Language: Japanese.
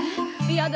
やだ